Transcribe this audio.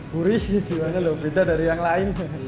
burih beda dari yang lain